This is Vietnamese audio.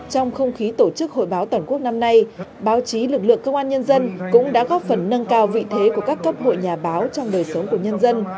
trong không khí tổ chức hội báo toàn quốc năm nay báo chí lực lượng công an nhân dân cũng đã góp phần nâng cao vị thế của các cấp hội nhà báo trong đời sống của nhân dân